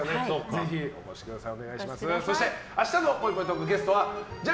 ぜひお越しください。